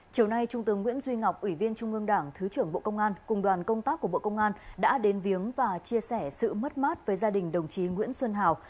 chiều nay trung tướng nguyễn duy ngọc ủy viên trung ương đảng thứ trưởng bộ công an cùng đoàn công tác của bộ công an đã đến viếng và chia sẻ sự mất mát với gia đình đồng chí nguyễn xuân hào